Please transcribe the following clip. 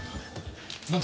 何だ？